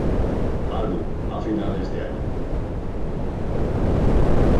Album" a finales de año.